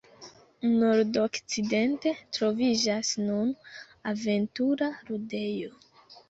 Nordokcidente troviĝas nun "aventura ludejo".